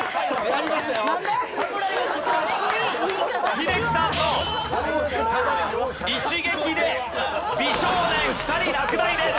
英樹さんの一撃で美少年２人落第です！